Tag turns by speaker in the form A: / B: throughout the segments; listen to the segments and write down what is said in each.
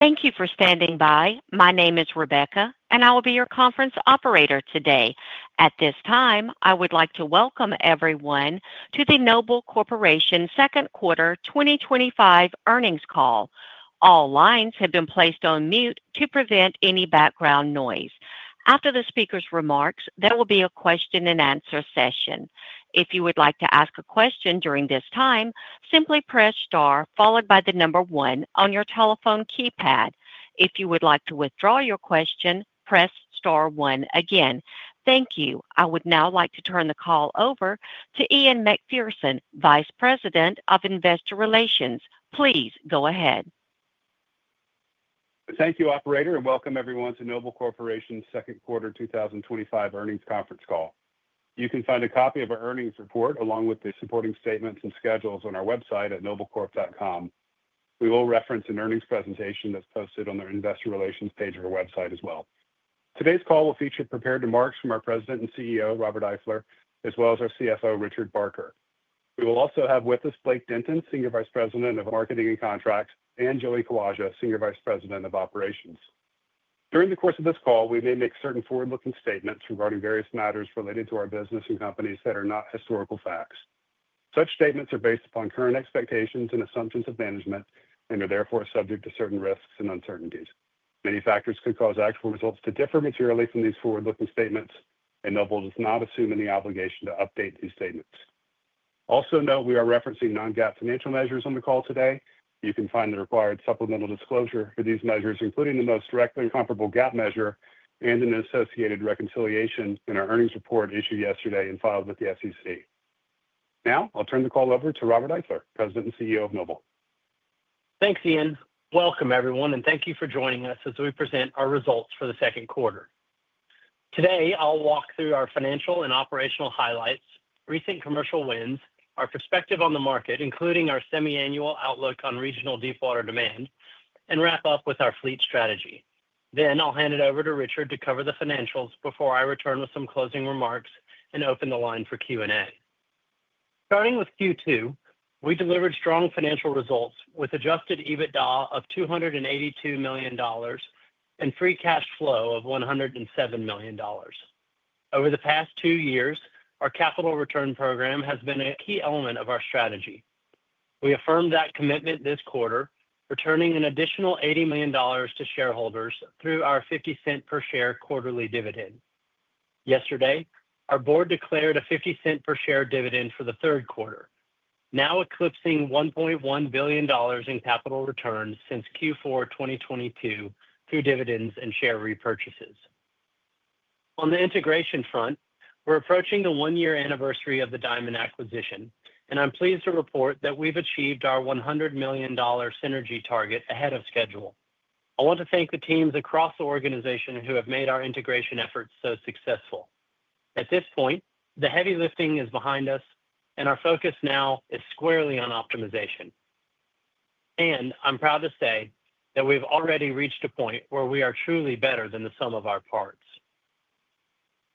A: Thank you for standing by. My name is Rebecca, and I will be your conference operator today. At this time, I would like to welcome everyone to the Noble Corporation's Second Quarter 2025 Earnings Call. All lines have been placed on mute to prevent any background noise. After the speaker's remarks, there will be a question and answer session. If you would like to ask a question during this time, simply press star followed by the number one on your telephone keypad. If you would like to withdraw your question, press star one again. Thank you. I would now like to turn the call over to Ian Macpherson, Vice President of Investor Relations. Please go ahead.
B: Thank you, Operator, and welcome everyone to Noble Corporation's Second Quarter 2025 Earnings Conference Call. You can find a copy of our earnings report along with the supporting statements and schedules on our website at noblecorp.com. We will reference an earnings presentation that's posted on the Investor Relations page of our website as well. Today's call will feature prepared remarks from our President and CEO, Robert Eifler, as well as our CFO, Richard Barker. We will also have with us Blake Denton, Senior Vice President of Marketing and Contract, and Joey Kawaja, Senior Vice President of Operations. During the course of this call, we may make certain forward-looking statements regarding various matters related to our business and companies that are not historical facts. Such statements are based upon current expectations and assumptions of management and are therefore subject to certain risks and uncertainties. Many factors could cause actual results to differ materially from these forward-looking statements, and Noble does not assume any obligation to update these statements. Also note, we are referencing non-GAAP financial measures on the call today. You can find the required supplemental disclosure for these measures, including the most directly comparable GAAP measure and an associated reconciliation in our earnings report issued yesterday and filed with the SEC. Now, I'll turn the call over to Robert Eifler, President and CEO of Noble.
C: Thanks, Ian. Welcome, everyone, and thank you for joining us as we present our results for the second quarter. Today, I'll walk through our financial and operational highlights, recent commercial wins, our perspective on the market, including our semi-annual outlook on regional deepwater demand, and wrap up with our fleet strategy. I'll hand it over to Richard to cover the financials before I return with some closing remarks and open the line for Q&A. Starting with Q2, we delivered strong financial results with an adjusted EBITDA of $282 million and a free cash flow of $107 million. Over the past two years, our capital return program has been a key element of our strategy. We affirmed that commitment this quarter, returning an additional $80 million to shareholders through our $0.50 per share quarterly dividend. Yesterday, our board declared a $0.50 per share dividend for the third quarter, now eclipsing $1.1 billion in capital returns since Q4 2022 through dividends and share repurchases. On the integration front, we're approaching the one-year anniversary of the Diamond acquisition, and I'm pleased to report that we've achieved our $100 million synergy target ahead of schedule. I want to thank the teams across the organization who have made our integration efforts so successful. At this point, the heavy lifting is behind us, and our focus now is squarely on optimization. I'm proud to say that we've already reached a point where we are truly better than the sum of our parts.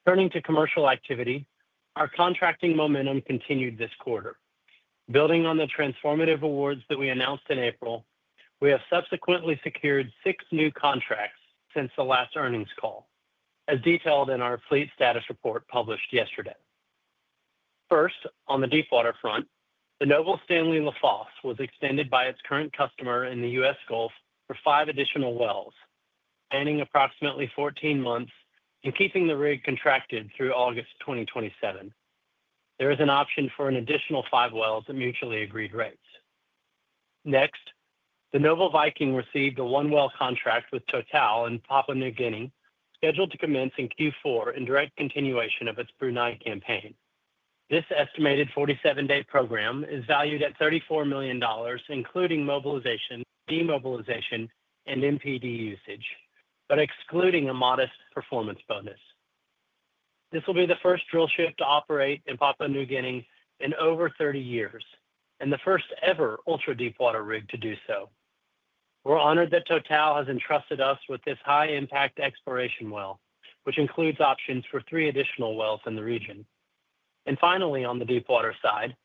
C: Turning to commercial activity, our contracting momentum continued this quarter. Building on the transformative awards that we announced in April, we have subsequently secured six new contracts since the last earnings call, as detailed in our fleet status report published yesterday. First, on the deepwater front, the Noble Stanley Lafosse was extended by its current customer in the U.S. Gulf for five additional wells, spanning approximately 14 months and keeping the rig contracted through August 2027. There is an option for an additional five wells at mutually agreed rates. Next, the Noble Viking received a one-well contract with Total in Papua New Guinea, scheduled to commence in Q4 in direct continuation of its Brunei campaign. This estimated 47-day program is valued at $34 million, including mobilization, demobilization, and NPD usage, but excluding a modest performance bonus. This will be the first drillship to operate in Papua New Guinea in over 30 years, and the first ever ultra-deepwater rig to do so. We're honored that Total has entrusted us with this high-impact exploration well, which includes options for three additional wells in the region. Finally, on the deepwater side,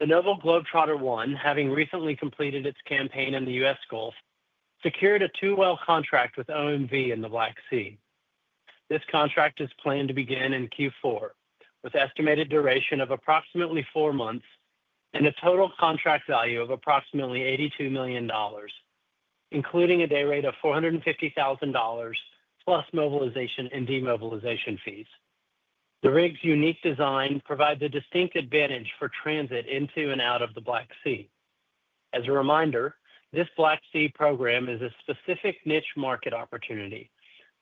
C: the Noble Globetrotter I, having recently completed its campaign in the U.S. Gulf, secured a two-well contract with OMV in the Black Sea. This contract is planned to begin in Q4, with an estimated duration of approximately four months and a total contract value of approximately $82 million, including a day rate of $450,000 plus mobilization and demobilization fees. The rig's unique design provides a distinct advantage for transit into and out of the Black Sea. As a reminder, this Black Sea program is a specific niche market opportunity,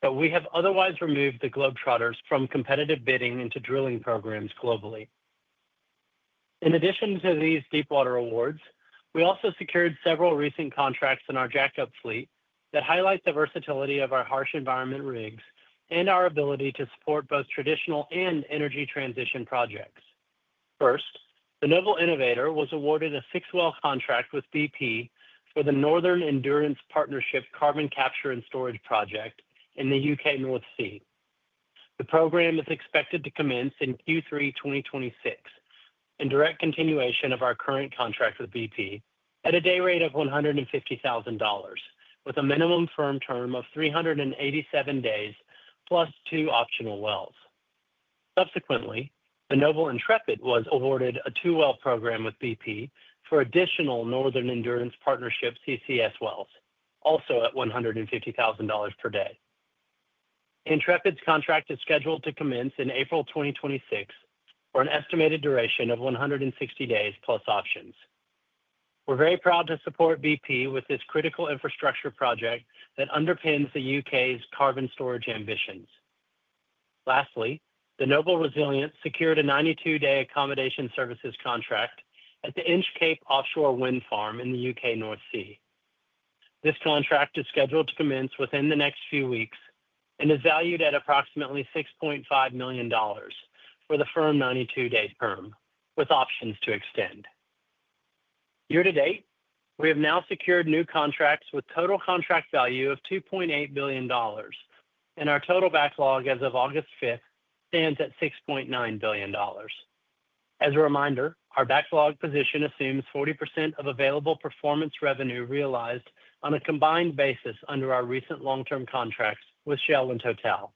C: but we have otherwise removed the Globetrotters from competitive bidding into drilling programs globally. In addition to these deepwater awards, we also secured several recent contracts in our jackup fleet that highlight the versatility of our harsh environment rigs and our ability to support both traditional and energy transition projects. First, the Noble Innovator was awarded a six-well contract with BP for the Northern Endurance Partnership carbon capture and storage project in the U.K. North Sea. The program is expected to commence in Q3 2026, in direct continuation of our current contract with BP, at a day rate of $150,000, with a minimum firm term of 387 days plus two optional wells. Subsequently, the Noble Intrepid was awarded a two-well program with BP for additional Northern Endurance Partnership CCS wells, also at $150,000 per day. Intrepid's contract is scheduled to commence in April 2026 for an estimated duration of 160 days plus options. We're very proud to support BP with this critical infrastructure project that underpins the U.K.'s carbon storage ambitions. Lastly, the Noble Resilient secured a 92-day accommodation services contract at the Inch Cape Offshore Wind Farm in the U.. North Sea. This contract is scheduled to commence within the next few weeks and is valued at approximately $6.5 million for the firm 92-day term, with options to extend. Year-to-date, we have now secured new contracts with a total contract value of $2.8 billion, and our total backlog as of August 5th stands at $6.9 billion. As a reminder, our backlog position assumes 40% of available performance revenue realized on a combined basis under our recent long-term contracts with Shell and Total.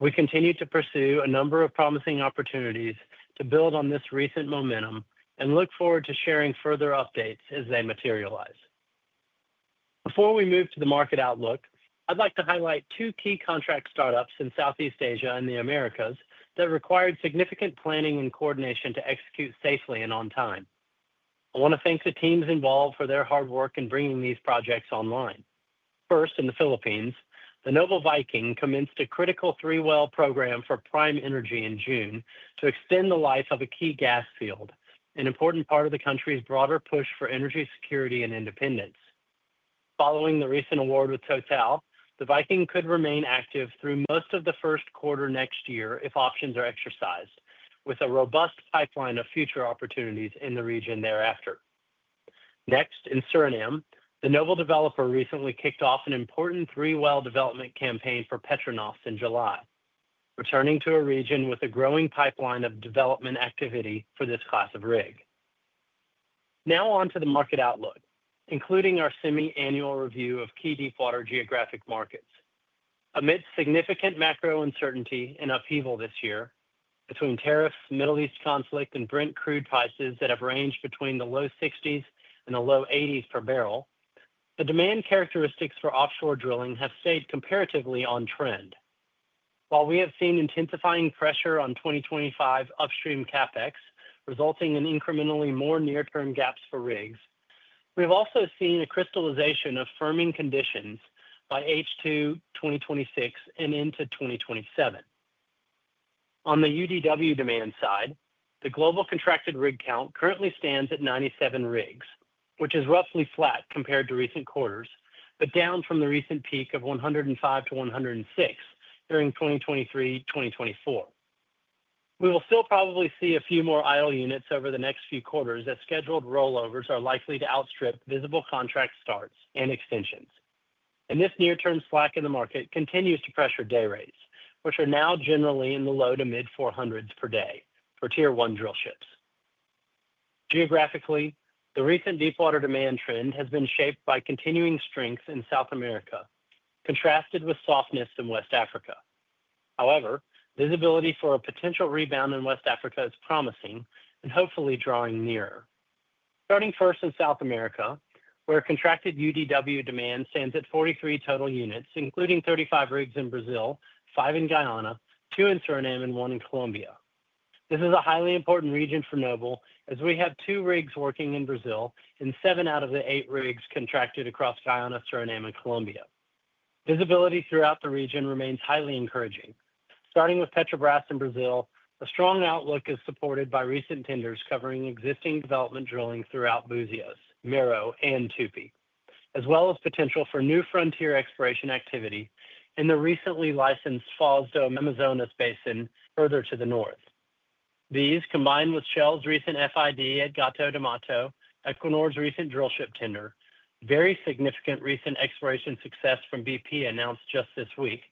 C: We continue to pursue a number of promising opportunities to build on this recent momentum and look forward to sharing further updates as they materialize. Before we move to the market outlook, I'd like to highlight two key contract startups in Southeast Asia and the Americas that required significant planning and coordination to execute safely and on time. I want to thank the teams involved for their hard work in bringing these projects online. First, in the Philippines, the Noble Viking commenced a critical three-well program for Prime Energy in June to extend the life of a key gas field, an important part of the country's broader push for energy security and independence. Following the recent award with Total, the Viking could remain active through most of the first quarter next year if options are exercised, with a robust pipeline of future opportunities in the region thereafter. Next, in Suriname, the Noble Developer recently kicked off an important three-well development campaign for Petronovs in July, returning to a region with a growing pipeline of development activity for this class of rig. Now on to the market outlook, including our semi-annual review of key deepwater geographic markets. Amidst significant macro uncertainty and upheaval this year, between tariffs, Middle East conflict, and Brent crude prices that have ranged between the low $60s and the low $80s per barrel, the demand characteristics for offshore drilling have stayed comparatively on trend. While we have seen intensifying pressure on 2025 upstream CapPEx, resulting in incrementally more near-term gaps for rigs, we have also seen a crystallization of firming conditions by H2 2026 and into 2027. On the UDW demand side, the global contracted rig count currently stands at 97 rigs, which is roughly flat compared to recent quarters, but down from the recent peak of 105-106 during 2023-2024. We will still probably see a few more idle units over the next few quarters as scheduled rollovers are likely to outstrip visible contract starts and extensions. This near-term slack in the market continues to pressure day rates, which are now generally in the low to mid-$400s per day for Tier 1 drillships. Geographically, the recent deepwater demand trend has been shaped by continuing strength in South America, contrasted with softness in West Africa. However, visibility for a potential rebound in West Africa is promising and hopefully drawing nearer. Starting first in South America, where contracted UDW demand stands at 43 total units, including 35 rigs in Brazil, 5 in Guyana, 2 in Suriname, and 1 in Colombia. This is a highly important region for Noble, as we have 2 rigs working in Brazil and 7 out of the 8 rigs contracted across Guyana, Suriname, and Colombia. Visibility throughout the region remains highly encouraging. Starting with Petrobras in Brazil, a strong outlook is supported by recent tenders covering existing development drilling throughout Búzios, Mero, and Tupi, as well as potential for new frontier exploration activity in the recently licensed Foz do Amazonas basin further to the north. These, combined with Shell's recent FID at Gato de Mato, Equinor's recent drillship tender, very significant recent exploration success from BP announced just this week,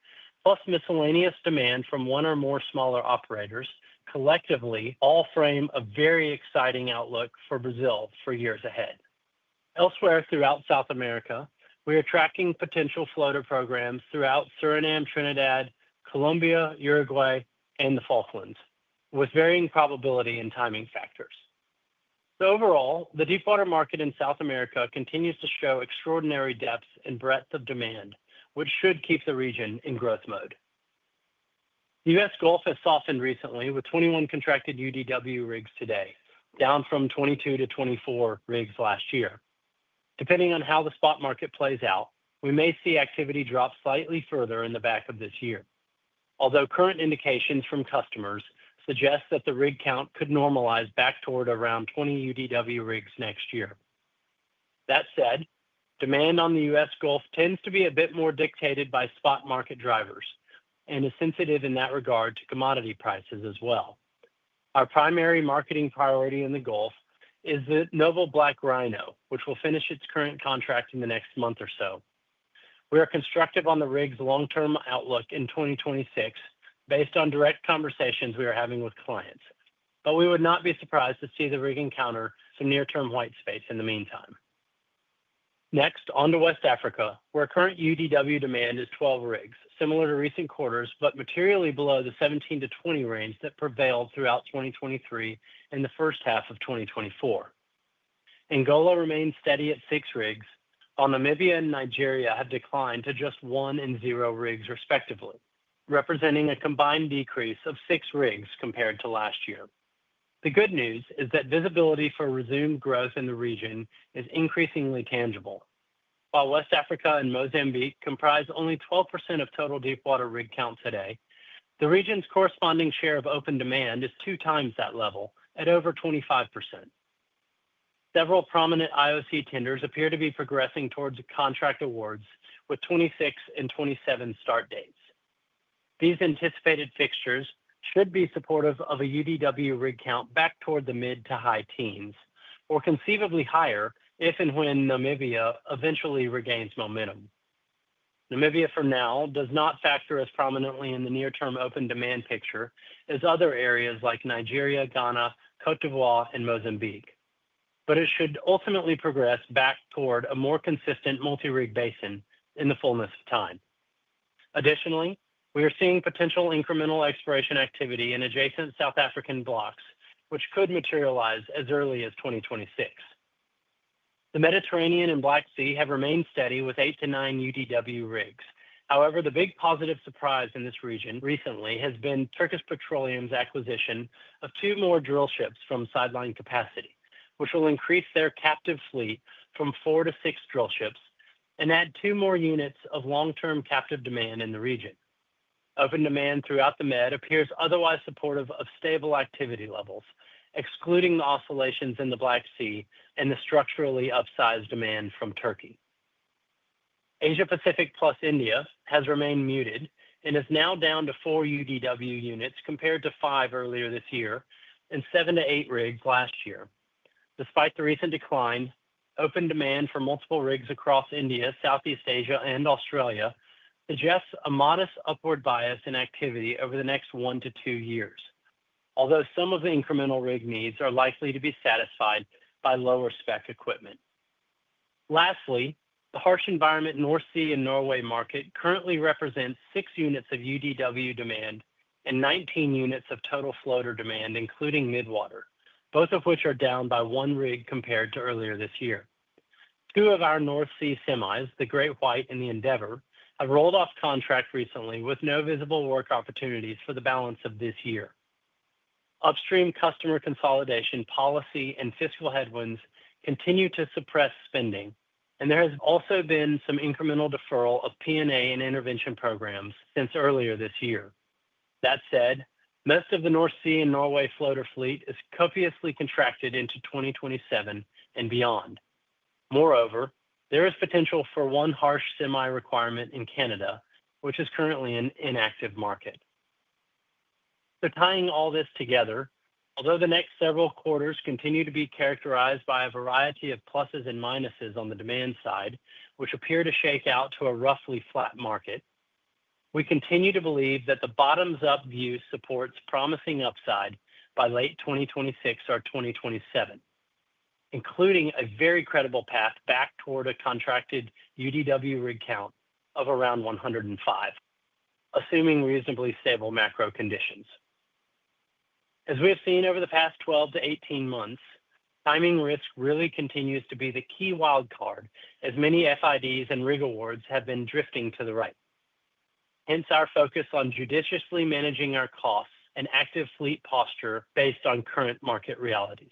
C: plus miscellaneous demand from one or more smaller operators, collectively all frame a very exciting outlook for Brazil for years ahead. Elsewhere throughout South America, we are tracking potential floater programs throughout Suriname, Trinidad, Colombia, Uruguay, and the Falklands, with varying probability and timing factors. Overall, the deepwater market in South America continues to show extraordinary depth and breadth of demand, which should keep the region in growth mode. The U.S. Gulf has softened recently with 21 contracted UDW rigs today, down from 22 to 24 rigs last year. Depending on how the spot market plays out, we may see activity drop slightly further in the back of this year, although current indications from customers suggest that the rig count could normalize back toward around 20 UDW rigs next year. That said, demand on the U.S. Gulf tends to be a bit more dictated by spot market drivers and is sensitive in that regard to commodity prices as well. Our primary marketing priority in the Gulf is the Noble Black Rhino, which will finish its current contract in the next month or so. We are constructive on the rig's long-term outlook in 2026 based on direct conversations we are having with clients, but we would not be surprised to see the rig encounter some near-term whitespace in the meantime. Next, on to West Africa, where current UDW demand is 12 rigs, similar to recent quarters, but materially below the 17-20 range that prevailed throughout 2023 and the first half of 2024. Angola remains steady at six rigs, while Namibia and Nigeria have declined to just one and zero rigs respectively, representing a combined decrease of six rigs compared to last year. The good news is that visibility for resumed growth in the region is increasingly tangible. While West Africa and Mozambique comprise only 12% of total deepwater rig count today, the region's corresponding share of open demand is 2x that level at over 25%. Several prominent IOC tenders appear to be progressing towards contract awards with 2026 and 2027 start dates. These anticipated fixtures should be supportive of a UDW rig count back toward the mid to high teens, or conceivably higher if and when Namibia eventually regains momentum. Namibia for now does not factor as prominently in the near-term open demand picture as other areas like Nigeria, Ghana, Côte d'Ivoire, and Mozambique, but it should ultimately progress back toward a more consistent multi-rig basin in the fullness of time. Additionally, we are seeing potential incremental exploration activity in adjacent South African blocks, which could materialize as early as 2026. The Mediterranean and Black Sea have remained steady with 8-9 UDW rigs. However, the big positive surprise in this region recently has been Turkish Petroleum's acquisition of two more drill ships from sideline capacity, which will increase their captive fleet from four to six drill ships and add two more units of long-term captive demand in the region. Open demand throughout the Med appears otherwise supportive of stable activity levels, excluding the oscillations in the Black Sea and the structurally upsized demand from Turkey. Asia Pacific plus India has remained muted and is now down to four UDW units compared to five earlier this year and seven to eight rigs last year. Despite the recent decline, open demand for multiple rigs across India, Southeast Asia, and Australia suggests a modest upward bias in activity over the next one to two years, although some of the incremental rig needs are likely to be satisfied by lower spec equipment. Lastly, the harsh environment North Sea and Norway market currently represents six units of UDW demand and 19 units of total floater demand, including midwater, both of which are down by one rig compared to earlier this year. Two of our North Sea semis, the Great White and the Endeavor, have rolled off contract recently with no visible work opportunities for the balance of this year. Upstream customer consolidation policy and fiscal headwinds continue to suppress spending, and there has also been some incremental deferral of P&A and intervention programs since earlier this year. That said, most of the North Sea and Norway floater fleet is copiously contracted into 2027 and beyond. Moreover, there is potential for one harsh semi requirement in Canada, which is currently an inactive market. Tying all this together, although the next several quarters continue to be characterized by a variety of pluses and minuses on the demand side, which appear to shake out to a roughly flat market, we continue to believe that the bottoms-up view supports promising upside by late 2026 or 2027, including a very credible path back toward a contracted UDW rig count of around 105, assuming reasonably stable macro conditions. As we've seen over the past 12 to 18 months, timing risk really continues to be the key wildcard as many FIDs and rig awards have been drifting to the right. Hence our focus on judiciously managing our costs and active fleet posture based on current market realities.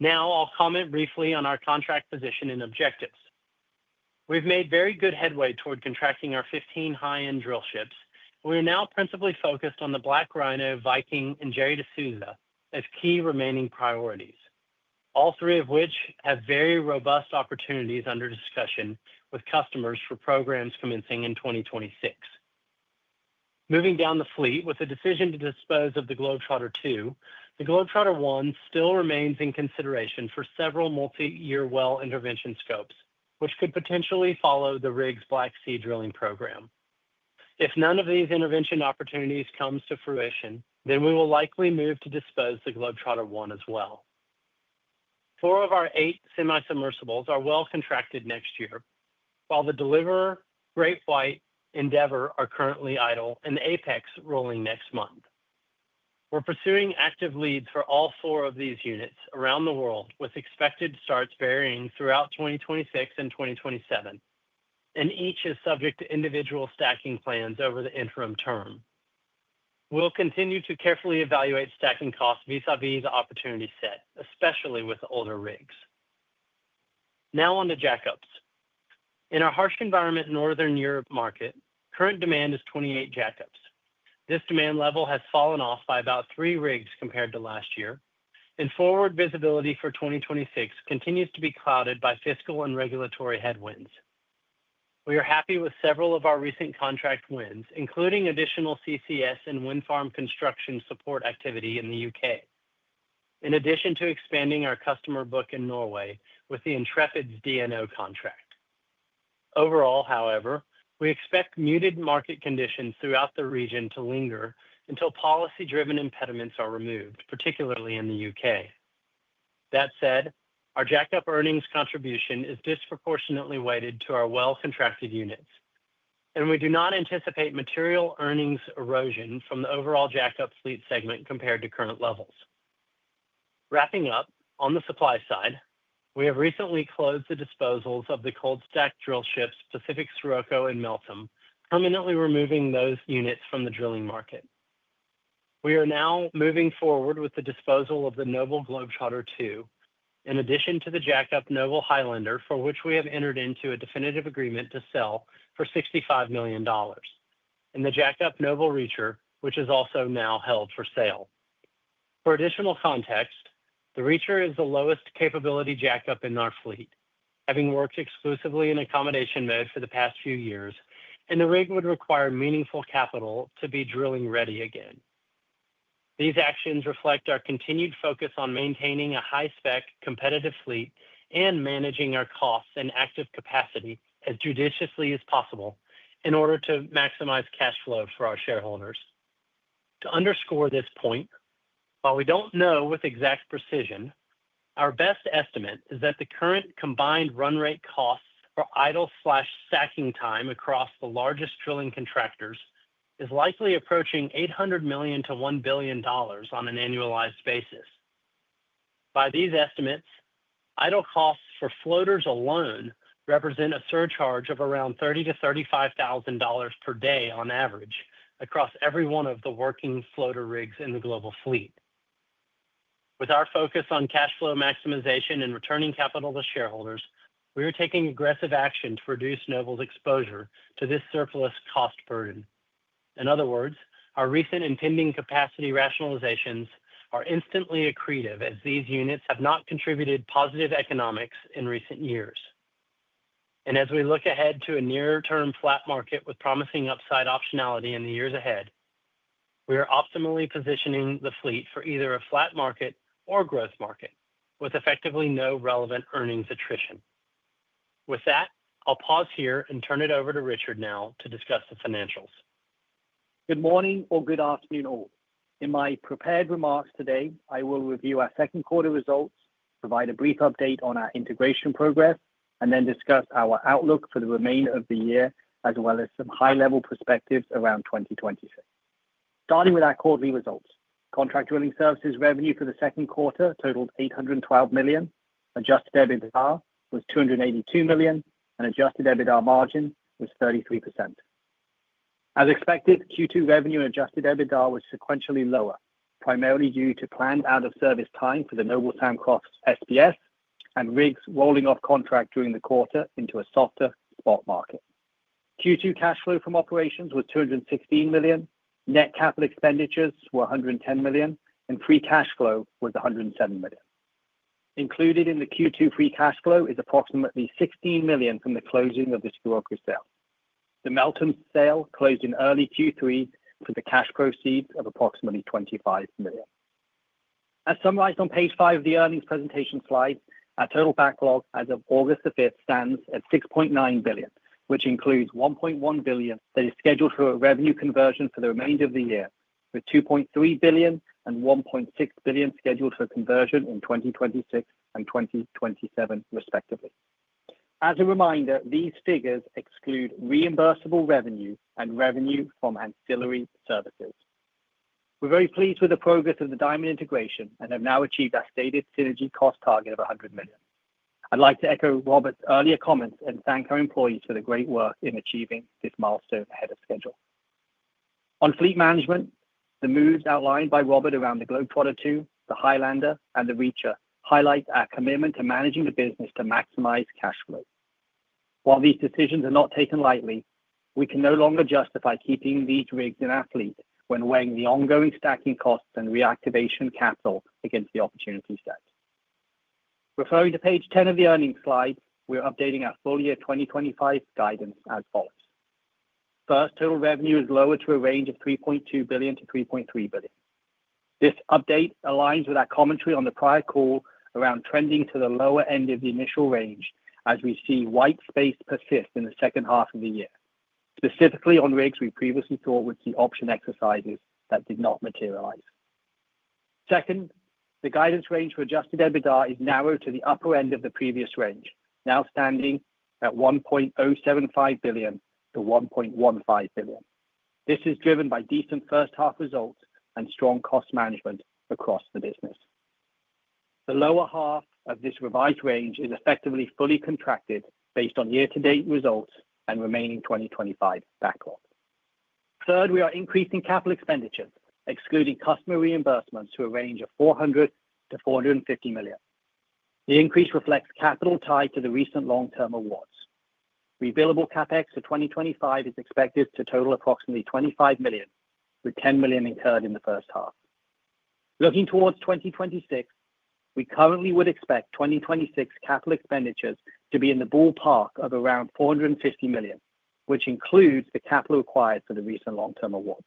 C: Now, I'll comment briefly on our contract position and objectives. We've made very good headway toward contracting our 15 high-end drillships, and we are now principally focused on the Noble Black Rhino, Noble Viking, and Noble Jerry D'Souza as key remaining priorities, all three of which have very robust opportunities under discussion with customers for programs commencing in 2026. Moving down the fleet with a decision to dispose of the Noble Globetrotter II, the Noble Globetrotter I still remains in consideration for several multi-year well intervention scopes, which could potentially follow the rig's Black Sea drilling program. If none of these intervention opportunities comes to fruition, then we will likely move to dispose of the Noble Globetrotter I as well. Four of our eight semi-submersibles are well contracted next year, while the Deliver, Great White, Endeavor are currently idle and Apex rolling next month. We're pursuing active leads for all four of these units around the world, with expected starts varying throughout 2026 and 2027, and each is subject to individual stacking plans over the interim term. We'll continue to carefully evaluate stacking costs vis-à-vis the opportunity set, especially with older rigs. Now on to jackups. In our harsh environment Northern Europe market, current demand is 28 jackups. This demand level has fallen off by about three rigs compared to last year, and forward visibility for 2026 continues to be clouded by fiscal and regulatory headwinds. We are happy with several of our recent contract wins, including additional CCS and wind farm construction support activity in the U.K., in addition to expanding our customer book in Norway with the Intrepid's DNO contract. Overall, however, we expect muted market conditions throughout the region to linger until policy-driven impediments are removed, particularly in the U.K. That said, our jackup earnings contribution is disproportionately weighted to our well-contracted units, and we do not anticipate material earnings erosion from the overall jackup fleet segment compared to current levels. Wrapping up, on the supply side, we have recently closed the disposals of the cold stack drillships Pacific Scirocco and Pacific Meltem, permanently removing those units from the drilling market. We are now moving forward with the disposal of the Noble Globetrotter II, in addition to the jackup Noble Highlander, for which we have entered into a definitive agreement to sell for $65 million, and the jackup Noble Reacher, which is also now held for sale. For additional context, the Reacher is the lowest capability jackup in our fleet, having worked exclusively in accommodation mode for the past few years, and the rig would require meaningful capital to be drilling ready again. These actions reflect our continued focus on maintaining a high-spec competitive fleet and managing our costs and active capacity as judiciously as possible in order to maximize cash flows for our shareholders. To underscore this point, while we don't know with exact precision, our best estimate is that the current combined run rate costs for idle/slash stacking time across the largest drilling contractors is likely approaching $800 million-$1 billion on an annualized basis. By these estimates, idle costs for floaters alone represent a surcharge of around $30,000-$35,000 per day on average across every one of the working floater rigs in the global fleet. With our focus on cash flow maximization and returning capital to shareholders, we are taking aggressive action to reduce Noble's exposure to this surplus cost burden. In other words, our recent impending capacity rationalizations are instantly accretive as these units have not contributed positive economics in recent years. As we look ahead to a near-term flat market with promising upside optionality in the years ahead, we are optimally positioning the fleet for either a flat market or growth market with effectively no relevant earnings attrition. With that, I'll pause here and turn it over to Richard now to discuss the financials.
D: Good morning or good afternoon all. In my prepared remarks today, I will review our second quarter results, provide a brief update on our integration progress, and then discuss our outlook for the remainder of the year, as well as some high-level perspectives around 2026. Starting with our quarterly results, contract drilling services revenue for the second quarter totaled $812 million, adjusted EBITDA was $282 million, and adjusted EBITDA margin was 33%. As expected, Q2 revenue and adjusted EBITDA were sequentially lower, primarily due to planned out-of-service time for the Noble Sam Croft SPS and rigs rolling off contract during the quarter into a softer spot market. Q2 cash flow from operations was $216 million, net capital expenditures were $110 million, and free cash flow was $107 million. Included in the Q2 free cash flow is approximately $16 million from the closing of this Q2 sale. The Meltem sale closed in early Q3 with a cash proceed of approximately $25 million. As summarized on page five of the earnings presentation slide, our total backlog as of August 5 stands at $6.9 billion, which includes $1.1 billion that is scheduled for a revenue conversion for the remainder of the year, with $2.3 billion and $1.6 billion scheduled for conversion in 2026 and 2027, respectively. As a reminder, these figures exclude reimbursable revenue and revenue from ancillary services. We're very pleased with the progress of the Diamond integration and have now achieved our stated synergy cost target of $100 million. I'd like to echo Robert's earlier comments and thank our employees for the great work in achieving this milestone ahead of schedule. On fleet management, the moves outlined by Robert around the Noble Globetrotter II, the Noble Highlander, and the Noble Reacher highlight our commitment to managing the business to maximize cash flow. While these decisions are not taken lightly, we can no longer justify keeping these rigs in our fleet when weighing the ongoing stacking costs and reactivation capital against the opportunity set. Referring to page 10 of the earnings slide, we're updating our full year 2025 guidance and policy. First, total revenue is lowered to a range of $3.2 billion-$3.3 billion. This update aligns with our commentary on the prior call around trending to the lower end of the initial range as we see whitespace persist in the second half of the year, specifically on rigs we previously thought would see option exercises that did not materialize. Second, the guidance range for adjusted EBITDA is narrowed to the upper end of the previous range, now standing at $1.075 billion-$1.15 billion. This is driven by decent first half results and strong cost management across the business. The lower half of this revised range is effectively fully contracted based on year-to-date results and remaining 2025 backlog. Third, we are increasing capital expenditures, excluding customer reimbursements, to a range of $400 million-$450 million. The increase reflects capital tied to the recent long-term awards. Rebillable CapEx for 2025 is expected to total approximately $25 million, with $10 million incurred in the first half. Looking towards 2026, we currently would expect 2026 capital expenditures to be in the ballpark of around $450 million, which includes the capital acquired for the recent long-term awards.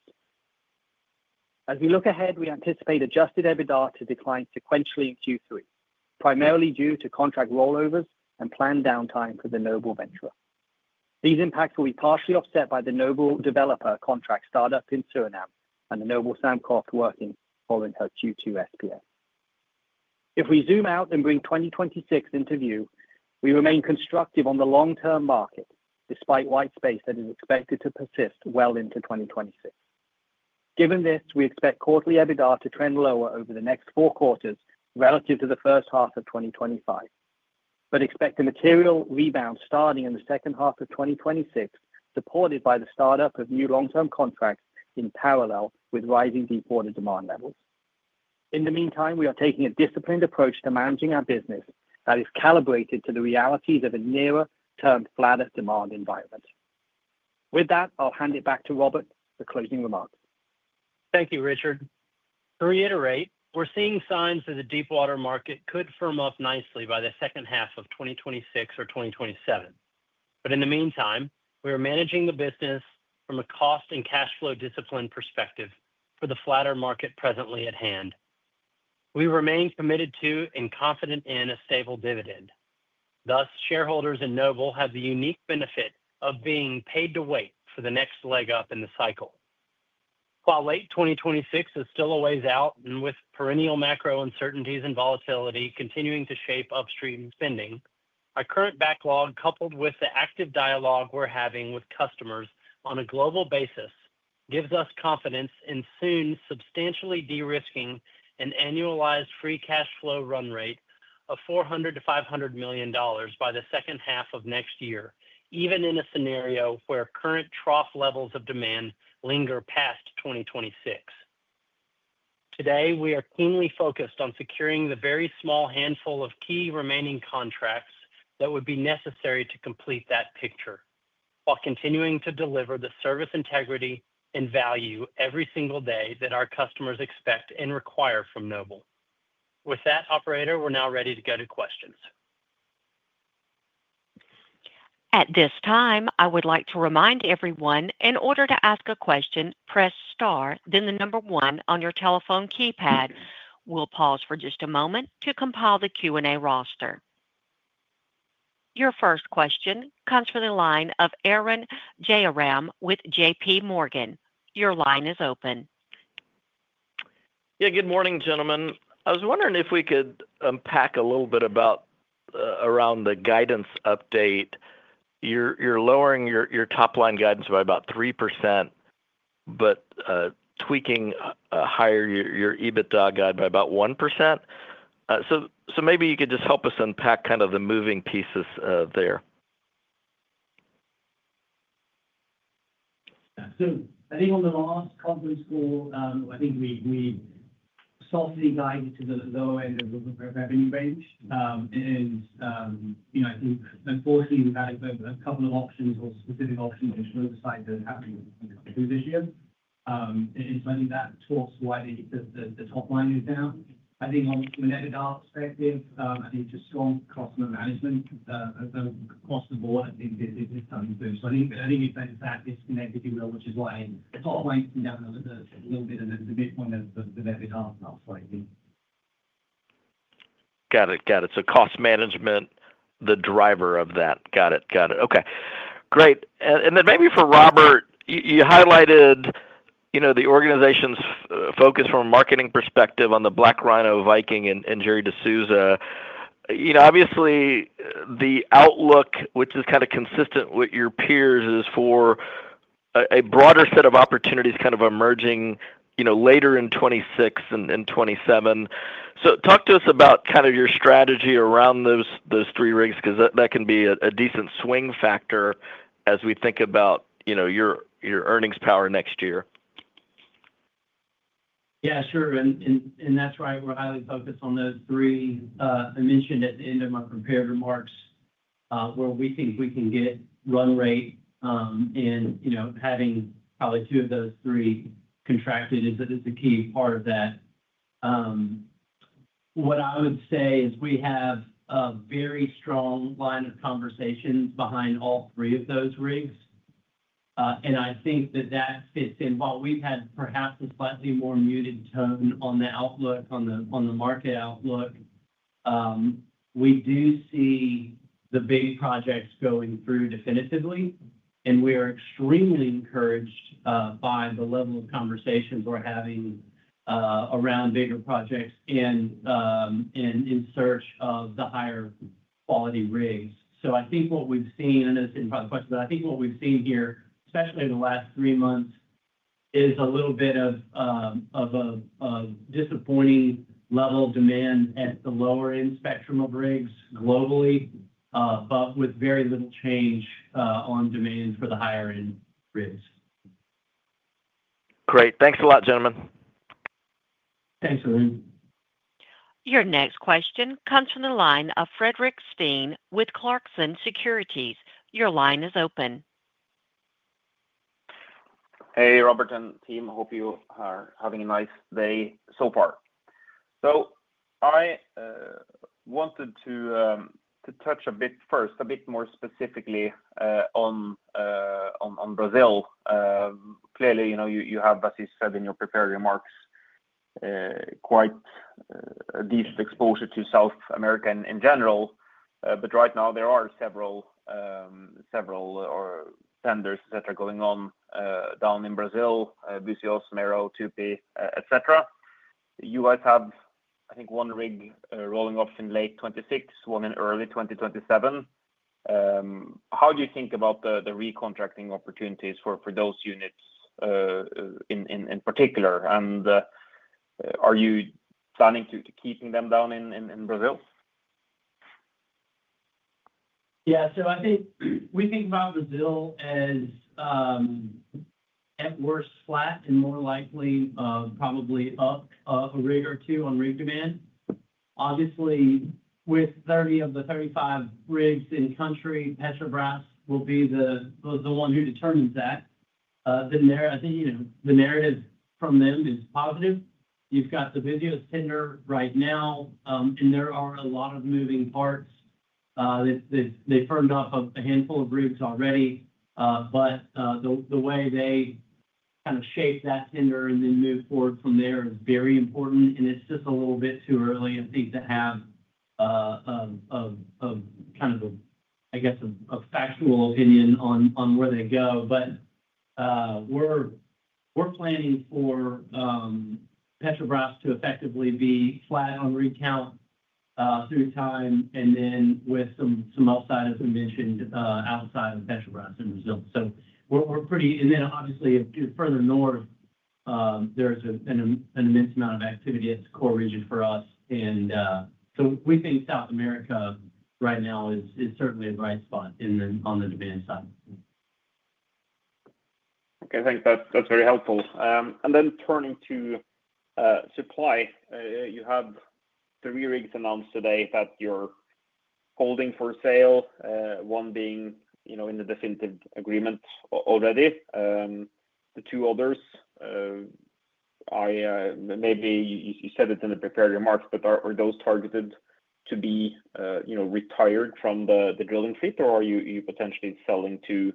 D: As we look ahead, we anticipate adjusted EBITDA to decline sequentially in Q3, primarily due to contract rollovers and planned downtime for the Noble Venture. These impacts will be partially offset by the Noble Developer contract startup in Suriname and the Noble Sam Croft working following her Q2 SBA. If we zoom out and bring 2026 into view, we remain constructive on the long-term market despite whitespace that is expected to persist well into 2026. Given this, we expect quarterly EBITDA to trend lower over the next four quarters relative to the first half of 2025, but expect a material rebound starting in the second half of 2026, supported by the startup of new long-term contracts in parallel with rising deepwater demand levels. In the meantime, we are taking a disciplined approach to managing our business that is calibrated to the realities of a nearer-term flatter demand environment. With that, I'll hand it back to Robert for closing remarks.
C: Thank you, Richard. To reiterate, we're seeing signs that the deepwater market could firm up nicely by the second half of 2026 or 2027. In the meantime, we are managing the business from a cost and cash flow discipline perspective for the flatter market presently at hand. We remain committed to and confident in a stable dividend. Thus, shareholders in Noble have the unique benefit of being paid to wait for the next leg up in the cycle. While late 2026 is still a ways out and with perennial macro uncertainties and volatility continuing to shape upstream spending, our current backlog, coupled with the active dialogue we're having with customers on a global basis, gives us confidence in soon substantially de-risking an annualized free cash flow run rate of $400 million-$500 million by the second half of next year, even in a scenario where current trough levels of demand linger past 2026. Today, we are keenly focused on securing the very small handful of key remaining contracts that would be necessary to complete that picture, while continuing to deliver the service integrity and value every single day that our customers expect and require from Noble. With that, Operator, we're now ready to go to questions.
A: At this time, I would like to remind everyone, in order to ask a question, press star, then the number one on your telephone keypad. We'll pause for just a moment to compile the Q&A roster. Your first question comes from the line of Arun Jayaram with JPMorgan. Your line is open.
E: Yeah, good morning, gentlemen. I was wondering if we could unpack a little bit about the guidance update. You're lowering your top line guidance by about 3%, but tweaking higher your EBITDA guide by about 1%. Maybe you could just help us unpack the moving pieces there.
C: I think on the last conference call, I think we softly guided to the lower end of the revenue range. Unfortunately, we've had a couple of options or specific options which were decided to have to be revisited. I think that talks why the top line is down. I think from an EBITDA perspective, I think it's a strong customer management. Across the board, I think it's unimportant. I think it's that disconnect, which is why the top line's been down a little bit and the midpoint of the EBITDA now slightly.
E: Got it, got it. Cost management, the driver of that. Got it, got it. Okay, great. Maybe for Robert, you highlighted, you know, the organization's focus from a marketing perspective on the Noble Black Rhino, Noble Viking, and Noble Jerry D'Souza. You know, obviously, the outlook, which is kind of consistent with your peers, is for a broader set of opportunities kind of emerging, you know, later in 2026 and 2027. Talk to us about kind of your strategy around those three rigs because that can be a decent swing factor as we think about, you know, your earnings power next year.
C: Yeah, sure. That's why we're highly focused on those three I mentioned at the end of my prepared remarks where we can get run rate, and having probably two of those three contracted is a key part of that. What I would say is we have a very strong line of conversations behind all three of those rigs. I think that fits in while we've had perhaps a slightly more muted tone on the outlook, on the market outlook. We do see the big projects going through definitively, and we are extremely encouraged by the level of conversations we're having around bigger projects and in search of the higher quality rigs. I think what we've seen, I know it's in part of the question, but I think what we've seen here, especially in the last three months, is a little bit of a disappointing level of demand at the lower end spectrum of rigs globally, but with very little change on demands for the higher-end rigs.
E: Great. Thanks a lot, gentlemen.
C: Thanks, Arun
A: Your next question comes from the line of Fredrik Stene with Clarkson Securities. Your line is open.
F: Hey, Robert and team. I hope you are having a nice day so far. I wanted to touch a bit first, a bit more specifically on Brazil. Clearly, you know, you have, as you said in your prepared remarks, quite a decent exposure to South America in general. Right now, there are several, several tenders that are going on down in Brazil, Búzios, Mero, Tupi, et cetera. You guys have, I think, one rig rolling off in late 2026, one in early 2027. How do you think about the recontracting opportunities for those units in particular? Are you planning to keep them down in Brazil?
C: Yeah, so I think we think about Brazil as at worst flat and more likely probably up a rig or two on rig demand. Obviously, with 30 of the 35 rigs in the country, Petrobras will be the one who determines that. I think the narrative from them is positive. You've got the Búzios tender right now, and there are a lot of moving parts. They've firmed up a handful of rigs already, but the way they kind of shape that tender and then move forward from there is very important. It's just a little bit too early, I think, to have a factual opinion on where they go. We're planning for Petrobras to effectively be flat on rig count through time and then with some outsiders, as we mentioned, outside of Petrobras in Brazil. We're pretty, and obviously, further north, there's an immense amount of activity at the core region for us. We think South America right now is certainly a bright spot on the demand side.
F: Okay, thanks. That's very helpful. Turning to supply, you have three rigs announced today that you're holding for sale, one being in the definitive agreement already. The two others, maybe you said it in the prepared remarks, but are those targeted to be retired from the drilling fleet, or are you potentially selling to,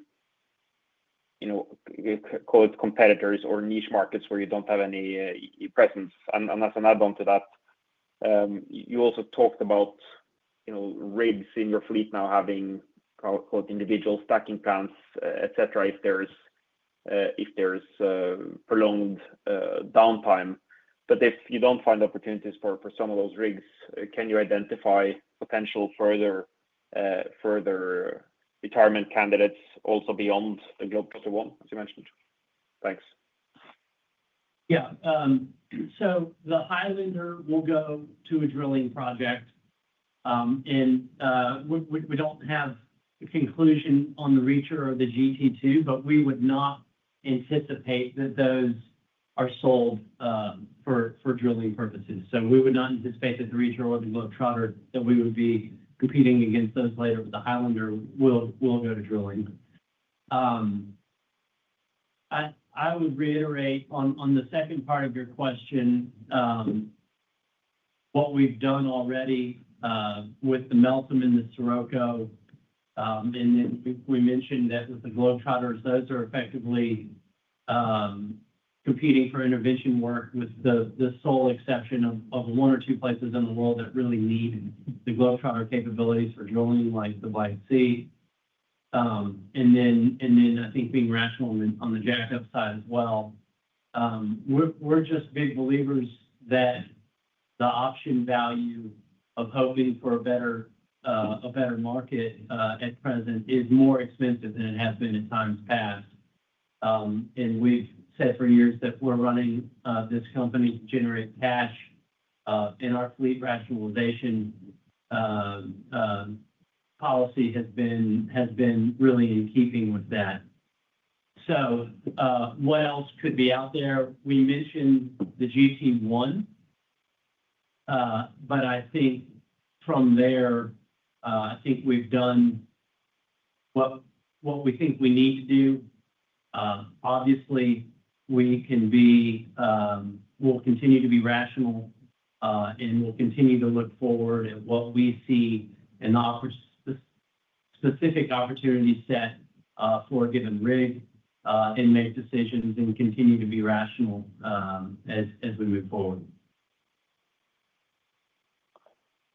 F: call it competitors or niche markets where you don't have any presence? As an add-on to that, you also talked about rigs in your fleet now having called individual stacking plans, et cetera, if there is prolonged downtime. If you don't find opportunities for some of those rigs, can you identify potential further retirement candidates also beyond the Noble Globetrotter I, as you mentioned? Thanks.
C: Yeah. The Highlander will go to a drilling project. We don't have a conclusion on the Noble Reacher or the GT II, but we would not anticipate that those are sold for drilling purposes. We would not anticipate that the Reacher or the Globetrotter, that we would be competing against those later with the Highlander, will go to drilling. I would reiterate on the second part of your question, what we've done already with the Pacific Meltem and the Pacific Scirocco. We mentioned that with the Noble Globetrotters, those are effectively competing for intervention work with the sole exception of one or two places in the world that really need the Noble Globetrotter capabilities for drilling, like the White Sea. I think being rational on the jackup side as well, we're just big believers that the option value of hoping for a better market at present is more expensive than it has been in times past. We've said for years that we're running this company to generate cash. Our fleet rationalization policy has been really in keeping with that. What else could be out there? We mentioned the GT I, but I think from there, I think we've done what we think we need to do. Obviously, we'll continue to be rational, and we'll continue to look forward at what we see in the specific opportunity set for a given rig and make decisions and continue to be rational as we move forward.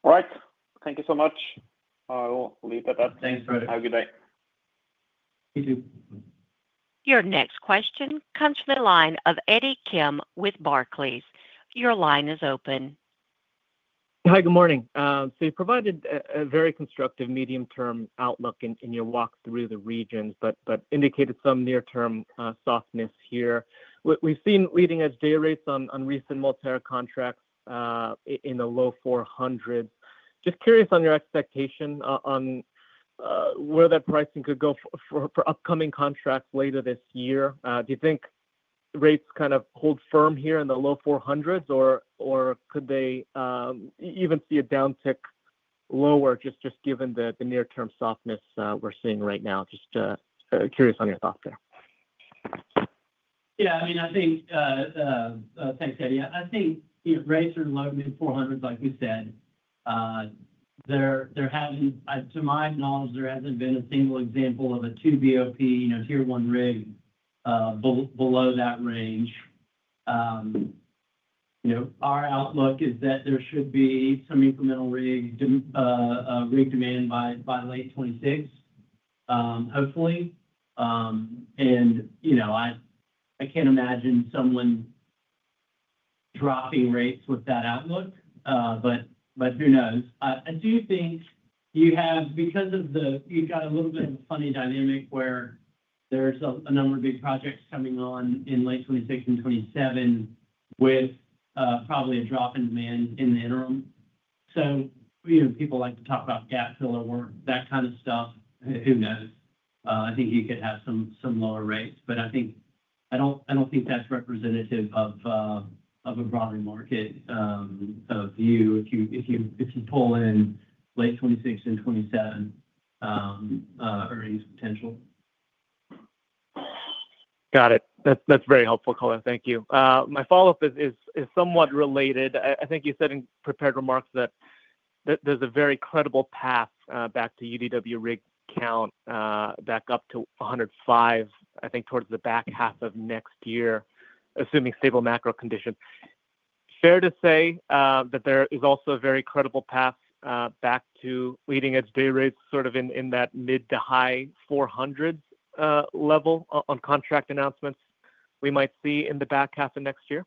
F: All right. Thank you so much. I'll leave it at that.
C: Thanks, Fred.
F: Have a good day.
C: You too.
A: Your next question comes from the line of Eddie Kim with Barclays. Your line is open.
G: Hi, good morning. You provided a very constructive medium-term outlook in your walk through the regions, but indicated some near-term softness here. We've seen leading edge day rates on recent contracts in the low $400,000s. I'm just curious on your expectation on where that pricing could go for upcoming contracts later this year. Do you think rates kind of hold firm here in the low $400,000s, or could they even see a downtick lower, just given the near-term softness we're seeing right now? I'm just curious on your thoughts there.
C: Yeah, I mean, I think, thanks, Eddie. I think rates are low to mid-$400,000s, like you said. To my knowledge, there hasn't been a single example of a 2BOP, Tier 1 rig below that range. Our outlook is that there should be some incremental rig demand by late 2026, hopefully. I can't imagine someone dropping rates with that outlook, but who knows? I do think you have a little bit of a funny dynamic where there's a number of big projects coming on in late 2026 and 2027 with probably a drop in demand in the interim. People like to talk about gap filler work, that kind of stuff. Who knows? I think you could have some lower rates, but I don't think that's representative of a broader market view if you pull in late 2026 and 2027 earnings potential.
G: Got it. That's very helpful, color. Thank you. My follow-up is somewhat related. I think you said in prepared remarks that there's a very credible path back to UDW rig count back up to 105, I think, towards the back half of next year, assuming stable macro conditions. Fair to say that there is also a very credible path back to leading edge day rates sort of in that mid to high $400,000 level on contract announcements we might see in the back half of next year?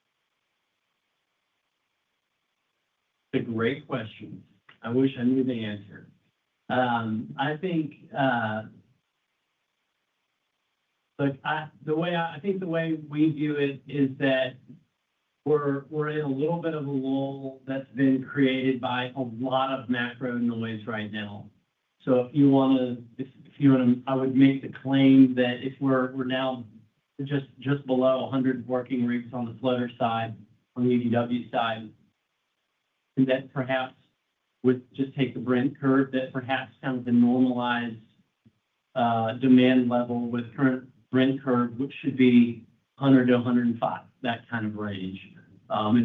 C: That's a great question. I wish I knew the answer. I think the way we view it is that we're in a little bit of a lull that's been created by a lot of macro noise right now. If you want to, I would make the claim that if we're now just below 100 working rigs on the floater side, on the UDW side, that perhaps would just take the Brent curve, that perhaps kind of the normalized demand level with current Brent curve, which should be 100-105, that kind of range.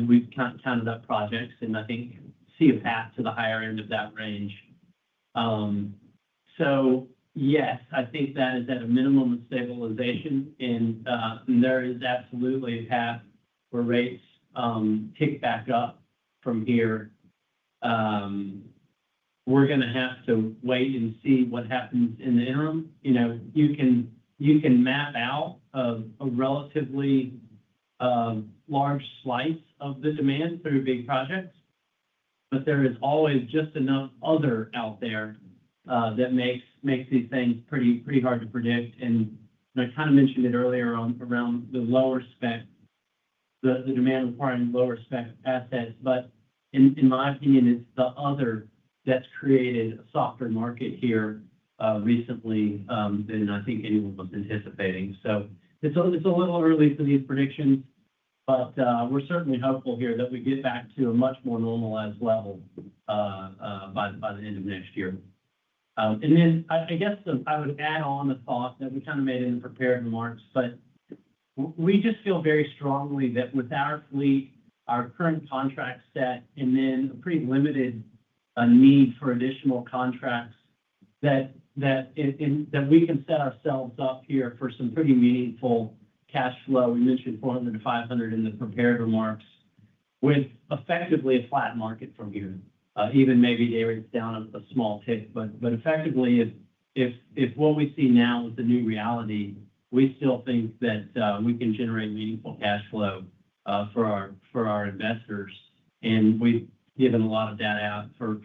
C: We've counted up projects and nothing can see a path to the higher end of that range. Yes, I think that is at a minimum of stabilization, and there is absolutely a path where rates kick back up from here. We're going to have to wait and see what happens in the interim. You can map out a relatively large slice of the demand through big projects, but there is always just enough other out there that makes these things pretty hard to predict. I kind of mentioned it earlier around the lower spend, the demand requiring lower spend assets. In my opinion, it's the other that's created a softer market here recently than I think anyone was anticipating. It's a little early for these predictions, but we're certainly hopeful here that we get back to a much more normalized level by the end of next year. I would add on a thought that we kind of made in the prepared remarks, but we just feel very strongly that with our fleet, our current contract set, and then a pretty limited need for additional contracts, we can set ourselves up here for some pretty meaningful cash flow. We mentioned $400 million-$500 million in the prepared remarks, with effectively a flat market from here, even maybe day rates down a small tick. Effectively, if what we see now is the new reality, we still think that we can generate meaningful cash flow for our investors. We've given a lot of data out for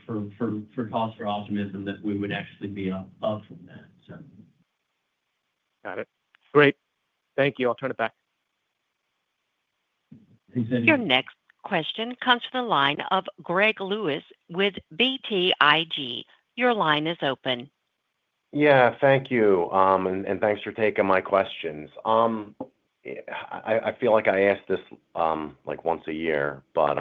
C: cost-share optimism that we would actually be up from that.
G: Got it. Great. Thank you. I'll turn it back.
A: Your next question comes from the line of Greg Lewis with BTIG. Your line is open.
H: Thank you. Thanks for taking my questions. I feel like I ask this once a year, but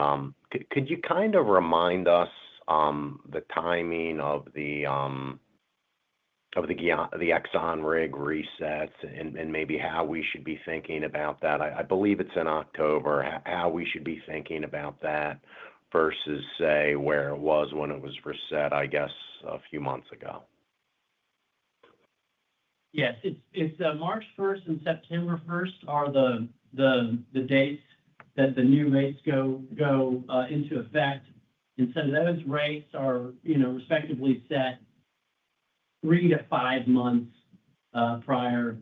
H: could you kind of remind us the timing of the Exxon rig reset and maybe how we should be thinking about that? I believe it's in October, how we should be thinking about that versus, say, where it was when it was reset a few months ago.
C: Yes, it's March 1 and September 1 are the dates that the new rates go into effect. Incentive evidence rates are respectively set three to five months prior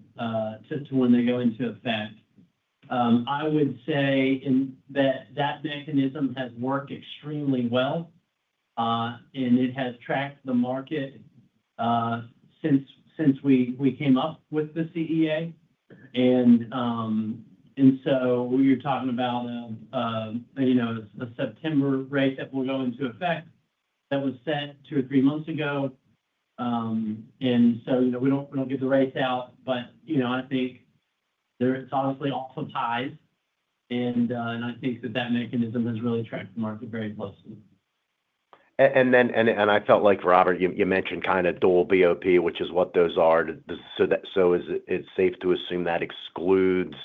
C: to when they go into effect. I would say that mechanism has worked extremely well, and it has tracked the market since we came up with the CEA. You're talking about a September rate that will go into effect that was set two or three months ago. We don't give the rate out, but I think it's obviously awfully tied. I think that mechanism has really tracked the market very closely.
H: I felt like, Robert, you mentioned kind of dual BOP, which is what those are. Is it safe to assume that excludes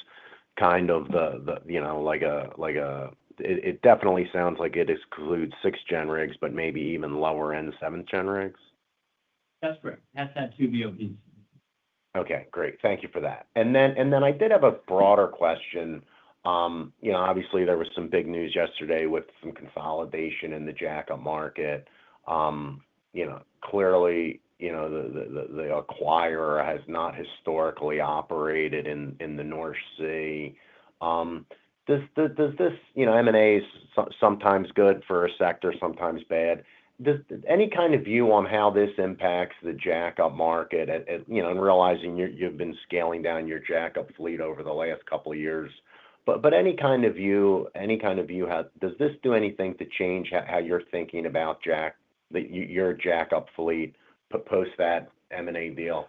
H: kind of the, you know, like a, like a, it definitely sounds like it excludes sixth-gen rigs, but maybe even lower-end seventh-gen rigs?
C: That's correct. That's how 2 BOP is.
H: Okay, great. Thank you for that. I did have a broader question. Obviously, there was some big news yesterday with some consolidation in the jackup market. Clearly, the acquirer has not historically operated in the North Sea. Does this M&A, sometimes good for a sector, sometimes bad, does any kind of view on how this impacts the jackup market, and realizing you've been scaling down your jackup fleet over the last couple of years? Any kind of view, any kind of view, does this do anything to change how you're thinking about your jackup fleet post that M&A deal?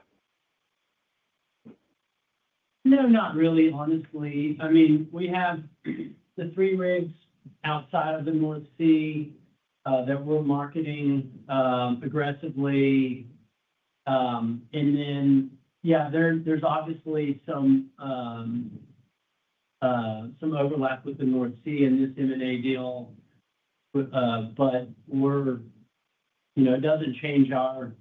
C: No, not really, honestly. I mean, we have the three rigs outside of the North Sea that we're marketing aggressively. There's obviously some overlap with the North Sea in this M&A deal. It doesn't change our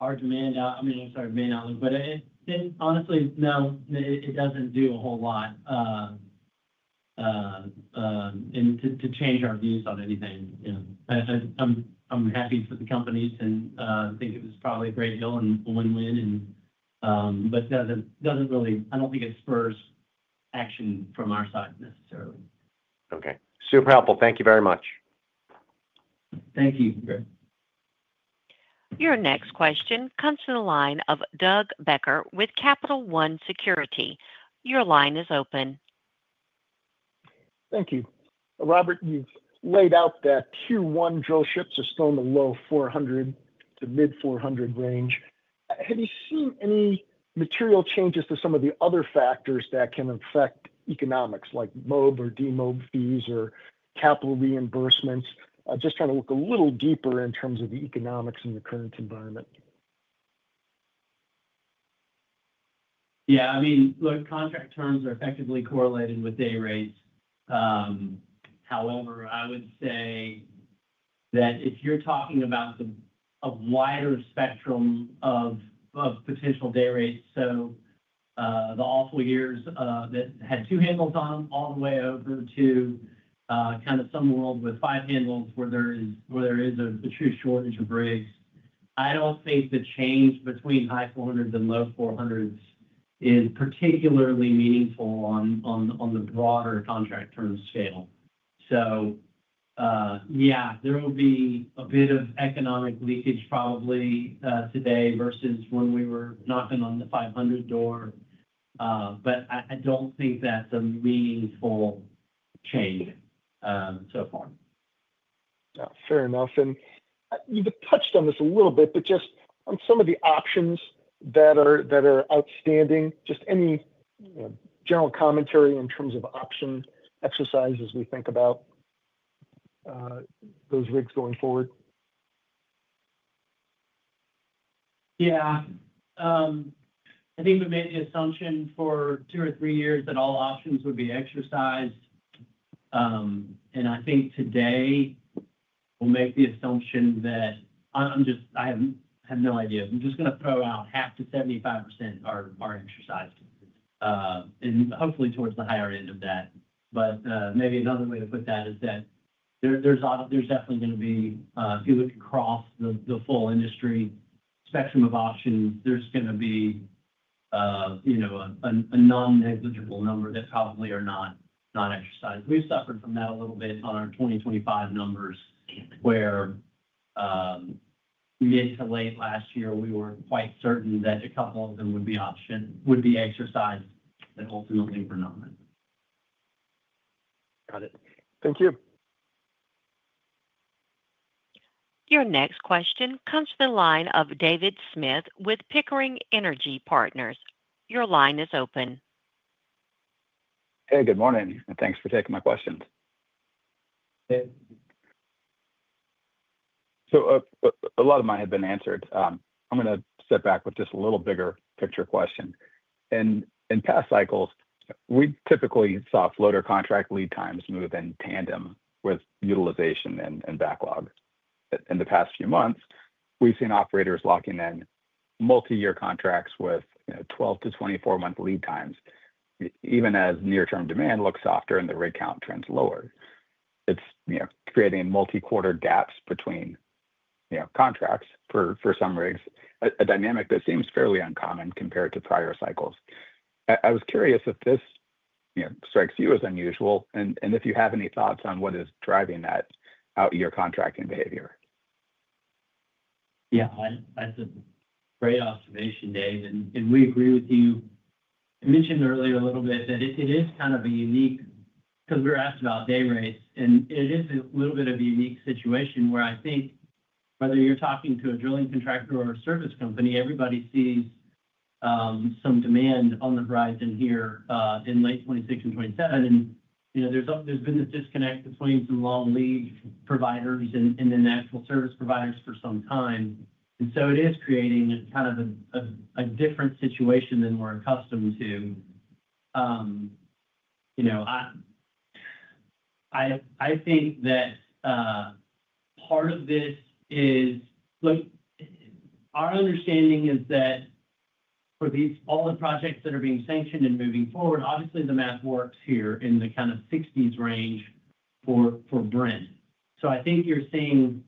C: demand outlook. Honestly, no, it doesn't do a whole lot to change our views on anything. I'm happy for the company to think it was probably a great deal and a win-win. It doesn't really, I don't think it spurs action from our side necessarily.
H: Okay. Super helpful. Thank you very much.
C: Thank you, Greg.
A: Your next question comes from the line of Doug Becker with Capital One Securities. Your line is open.
I: Thank you. Robert, you've laid out that Tier 1 ultra-deepwater drillships are still in the low $400,000 to mid-$400,000 range. Have you seen any material changes to some of the other factors that can affect economics, like MOB or DMOB fees or capital reimbursements? Just trying to look a little deeper in terms of the economics in the current environment.
C: Yeah, I mean, look, contract terms are effectively correlated with day rates. However, I would say that if you're talking about a wider spectrum of potential day rates, the awful years that had two handles on them all the way over to kind of some world with five handles where there is a true shortage of rigs, I don't think the change between high $400,000s and low $400,000s is particularly meaningful on the broader contract terms scale. Yeah, there will be a bit of economic leakage probably today versus when we were knocking on the $500,000 door. I don't think that's a meaningful change so far.
I: Fair, Nelson. You've touched on this a little bit, but just on some of the options that are outstanding, any general commentary in terms of option exercise as we think about those rigs going forward?
C: Yeah. I think we made the assumption for two or three years that all options would be exercised. I think today, we'll make the assumption that I have no idea. I'm just going to throw out half to 75% are exercised, and hopefully towards the higher end of that. Maybe another way to put that is that there's definitely going to be, if you look across the full industry spectrum of options, a non-negligible number that probably are not exercised. We've suffered from that a little bit on our 2025 numbers where mid to late last year, we were quite certain that a couple of them would be exercised, and ultimately were not.
I: Got it. Thank you.
A: Your next question comes from the line of David Smith with Pickering Energy Partners. Your line is open.
J: Good morning. Thanks for taking my questions.
C: Hey.
J: A lot of mine had been answered. I'm going to step back with just a little bigger picture question. In past cycles, we typically saw floater contract lead times move in tandem with utilization and backlog. In the past few months, we've seen operators locking in multi-year contracts with 12 to 24-month lead times, even as near-term demand looks softer and the rate count trends lower. It's creating multi-quarter gaps between contracts for some rigs, a dynamic that seems fairly uncommon compared to prior cycles. I was curious if this, you know, strikes you as unusual and if you have any thoughts on what is driving that out-of-year contracting behavior.
C: Yeah, that's a great observation, Dave. We agree with you. I mentioned earlier a little bit that it is kind of unique because we were asked about day rates, and it is a little bit of a unique situation where I think whether you're talking to a drilling contractor or a service company, everybody sees some demand on the horizon here in late 2026 and 2027. There's been this disconnect between some long lead providers and then the actual service providers for some time. It is creating a kind of a different situation than we're accustomed to. I think that part of this is, look, our understanding is that for all the projects that are being sanctioned and moving forward, obviously, the math works here in the kind of $60s range for Brent. I think you're seeing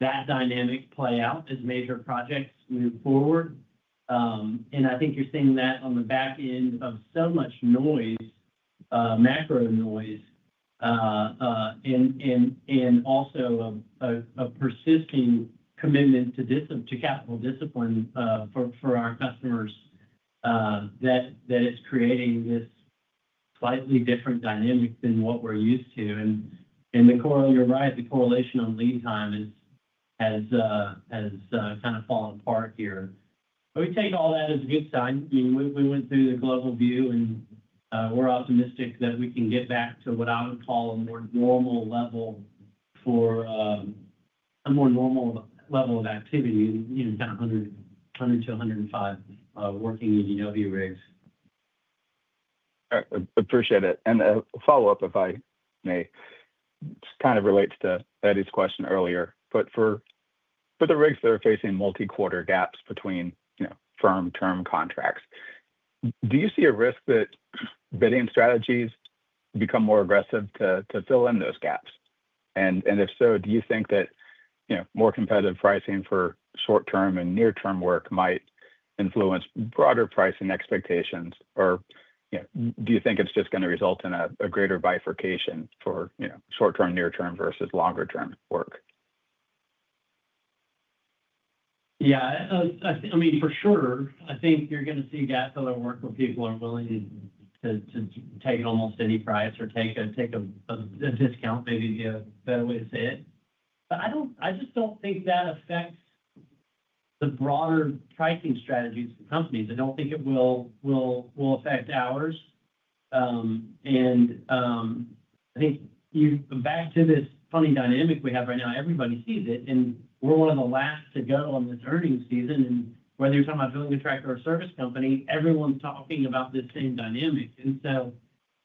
C: that dynamic play out as major projects move forward. I think you're seeing that on the back end of so much noise, macro noise, and also a persisting commitment to capital discipline for our customers that is creating this slightly different dynamic than what we're used to. The correlative rise, the correlation on lead time has kind of fallen apart here. We take all that as a good sign. We went through the global view, and we're optimistic that we can get back to what I would call a more normal level for a more normal level of activity in kind of 100-105 working UDW rigs.
J: Appreciate it. A follow-up, if I may, just kind of relates to Eddie's question earlier. For the rigs that are facing multi-quarter gaps between firm-term contracts, do you see a risk that bidding strategies become more aggressive to fill in those gaps? If so, do you think that more competitive pricing for short-term and near-term work might influence broader pricing expectations? Do you think it's just going to result in a greater bifurcation for short-term, near-term versus longer-term work?
C: Yeah, I mean, for sure, I think you're going to see gap-filler work where people are willing to take an almost any price or take a discount, maybe a better way to say it. I just don't think that affects the broader pricing strategies for companies. I don't think it will affect ours. I think you back to this funny dynamic we have right now, everybody sees it, and we're one of the last to go on this earnings season. When you're talking about drilling contractors or service companies, everyone's talking about the same dynamic.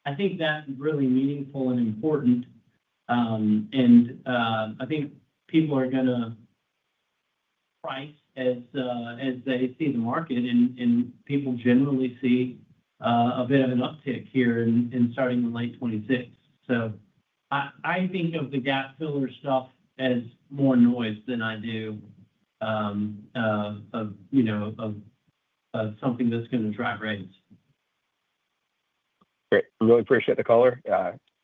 C: I think that's really meaningful and important. I think people are going to price as they see the market, and people generally see a bit of an uptick here starting in late 2026. I think of the gap-filler stuff as more noise than I do of something that's going to drive rates.
J: Okay, I really appreciate the call.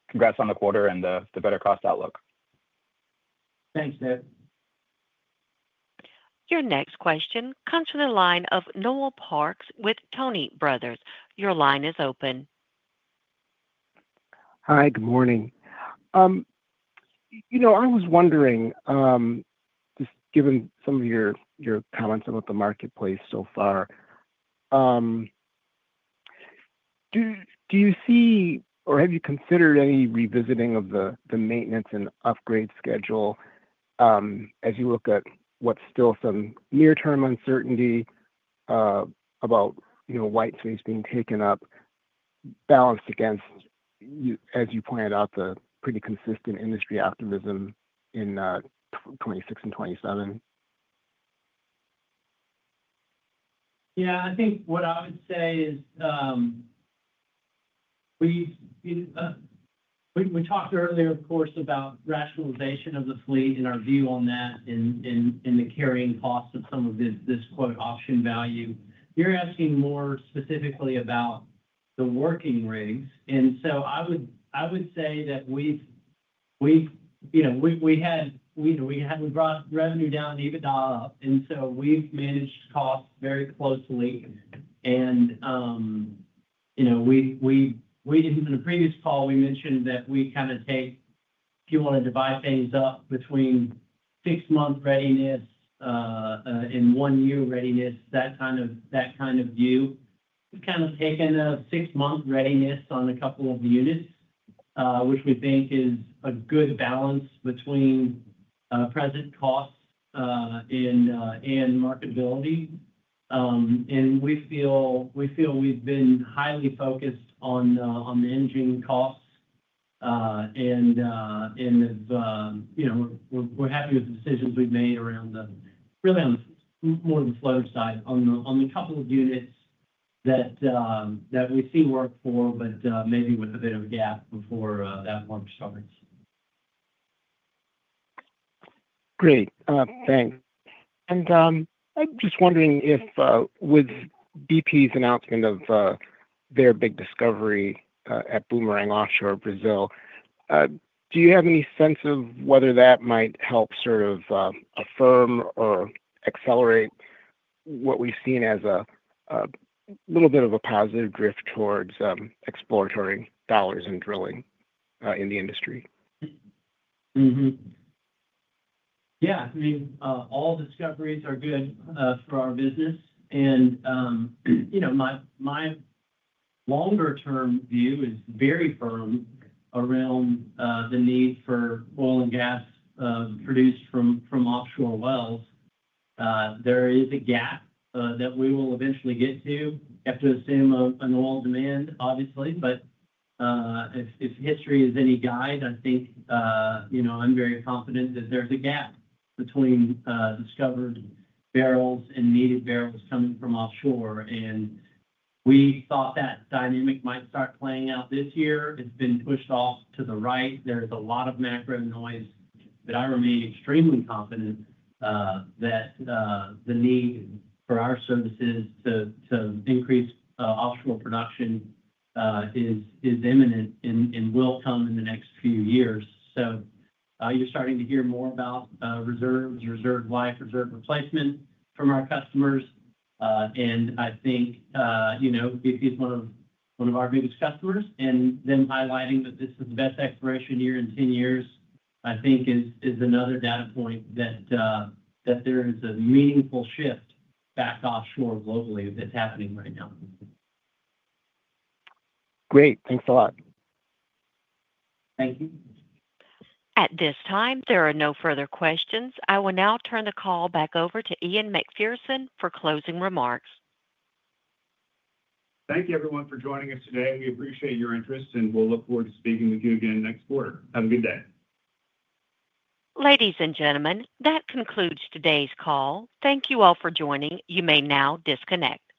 J: Congrats on the quarter and the better cost outlook.
C: Thanks, Dave.
A: Your next question comes from the line of Noel Parks with Tuohy Brothers. Your line is open.
K: Hi, good morning. I was wondering, just given some of your comments about the marketplace so far, do you see or have you considered any revisiting of the maintenance and upgrade schedule as you look at what's still some near-term uncertainty about white space being taken up, balanced against, as you pointed out, the pretty consistent industry optimism in 2026 and 2027?
C: Yeah, I think what I would say is we talked earlier, of course, about rationalization of the fleet and our view on that and the carrying cost of some of this quote option value. You're asking more specifically about the working rigs. I would say that we've, you know, we had, you know, we brought revenue down, EBITDA up, and we've managed costs very closely. In a previous call, we mentioned that people wanted to divide things up between six-month readiness and one-year readiness, that kind of view. We've kind of taken a six-month readiness on a couple of units, which we think is a good balance between present costs and marketability. We feel we've been highly focused on managing costs, and we're happy with the decisions we've made around really on the more of the floater side, on the couple of units that we see work for, but maybe with a bit of a gap before that one starts.
K: Great. Thanks. I'm just wondering if with BP's announcement of their big discovery at Boomerang Offshore Brazil, do you have any sense of whether that might help sort of affirm or accelerate what we've seen as a little bit of a positive drift towards exploratory dollars and drilling in the industry?
C: Yeah, I mean, all discoveries are good for our business. My longer-term view is very firm around the need for oil and gas produced from offshore wells. There is a gap that we will eventually get to after the same amount of oil demand, obviously. If history is any guide, I think, you know, I'm very confident that there's a gap between discovered barrels and needed barrels coming from offshore. We thought that dynamic might start playing out this year. It's been pushed off to the right. There's a lot of macro noise, but I remain extremely confident that the need for our services to increase offshore production is imminent and will come in the next few years. You're starting to hear more about reserves, reserve life, reserve replacement from our customers. I think it's one of our biggest customers. Highlighting that this is the best exploration year in 10 years, I think, is another data point that there is a meaningful shift back offshore globally that's happening right now.
K: Great, thanks a lot.
C: Thank you.
A: At this time, there are no further questions. I will now turn the call back over to Ian Macpherson for closing remarks.
B: Thank you, everyone, for joining us today. We appreciate your interest, and we'll look forward to speaking with you again next quarter. Have a good day.
A: Ladies and gentlemen, that concludes today's call. Thank you all for joining. You may now disconnect.